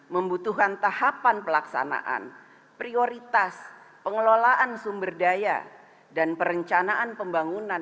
membutuhkan tahapan pelaksanaan prioritas pengelolaan sumber daya dan perencanaan pembangunan